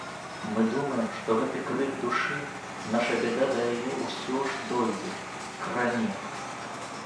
Мы думаем, што гэты крык душы, наша бяда да яе ўсё ж дойдзе, кране.